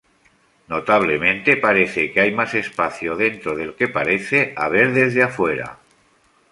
Notablemente, parece que hay más espacio dentro del que parece haber desde afuera.